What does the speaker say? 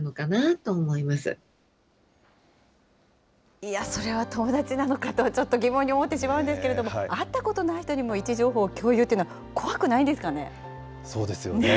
いや、それは友だちなのかと、ちょっと疑問に思ってしまうんですけれども、会ったことのない人にも位置情報を共有っていうのは、怖くなそうですよね。